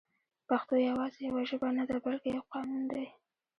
پښتو يوازې يوه ژبه نه ده بلکې يو قانون دی